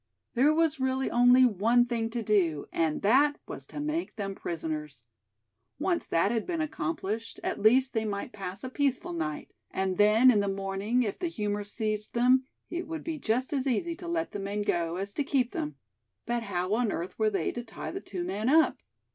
There was really only one thing to do, and that was to make them prisoners. Once that had been accomplished, at least they might pass a peaceful night; and then in the morning, if the humor seized them, it would be just as easy to let the men go as to keep them. But how on earth were they to tie the two men up?